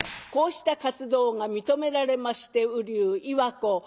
こうした活動が認められまして瓜生岩子